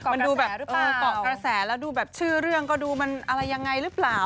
มันดูแบบหรือเปล่าเกาะกระแสแล้วดูแบบชื่อเรื่องก็ดูมันอะไรยังไงหรือเปล่า